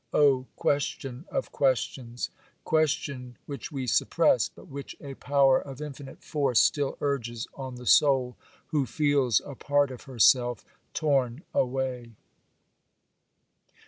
Oh, question of questions!—question which we suppress, but which a power of infinite force still urges on the soul, who feels a part of herself torn away.